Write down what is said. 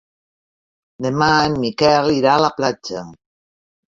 Demà en Miquel irà a la platja.